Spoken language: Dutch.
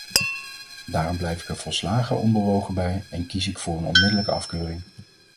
Daarom blijf ik er volslagen onbewogen bij en kies ik voor een onmiddellijke afkeuring.